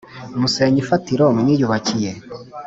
musenya imfatiro mwiyubakiye